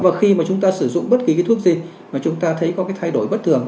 và khi mà chúng ta sử dụng bất kỳ cái thuốc gì mà chúng ta thấy có cái thay đổi bất thường